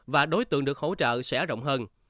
và đối tượng được hỗ trợ sẽ rộng hơn